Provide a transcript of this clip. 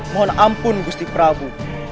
mohon ampun gusti prabu